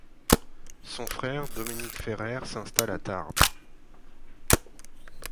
Son frère Dominique Ferrère s'installe à Tarbes.